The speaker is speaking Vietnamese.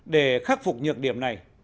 để khắc phục nhược điểm này